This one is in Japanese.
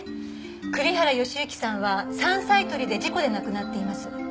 栗原善行さんは山菜採りで事故で亡くなっています。